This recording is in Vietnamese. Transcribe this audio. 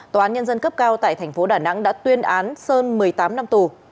tòa án nhân dân cấp cao tại tp đà nẵng đã tuyên án sơn một mươi tám năm tù